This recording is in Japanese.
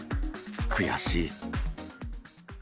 悔しい。